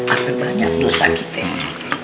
apem banyak dosa kitenya